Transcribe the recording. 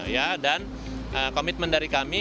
ya dan komitmen dari kami